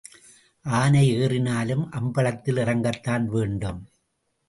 ஆனை ஏறினாலும் அம்பலத்தில் இறங்கத்தான் வேண்டும்.